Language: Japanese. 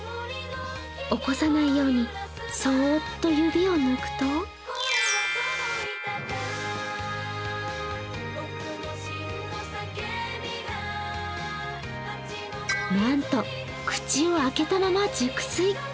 起こさないようにそーっと指を抜くとなんと口を開けたまま熟睡。